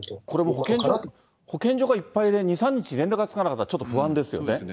これも、保健所がいっぱいで２、３日連絡がつかなかったらちょっと不安ですよね。